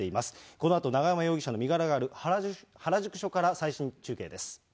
このあと、永山容疑者の身柄がある原宿署から最新中継です。